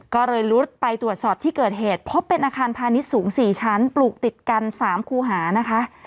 ก็เลยลุดไปตรวจสอบที่เกิดเหตุพบเป็นอาคารพาณิชย์สูง๔ชั้นปลูกติดกัน๓คูหานะคะ